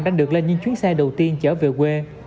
đã được lên những chuyến xe đầu tiên chở về quê